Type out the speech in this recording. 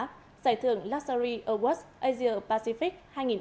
giải thưởng luxury awards asia pacific hai nghìn một mươi năm